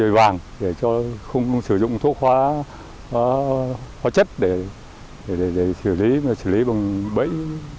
bầy vàng để không sử dụng thuốc hóa hóa chất để xử lý bầy